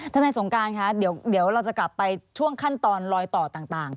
ทนายสงการคะเดี๋ยวเราจะกลับไปช่วงขั้นตอนลอยต่อต่าง